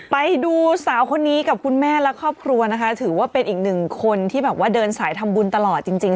ไปดูสาวคนนี้กับคุณแม่และครอบครัวนะคะถือว่าเป็นอีกหนึ่งคนที่แบบว่าเดินสายทำบุญตลอดจริง